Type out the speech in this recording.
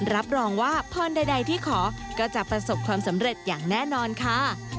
รับรองว่าพรใดที่ขอก็จะประสบความสำเร็จอย่างแน่นอนค่ะ